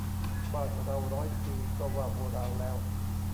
บ้านเราร้อยปีก็ว่าโบราณแล้ว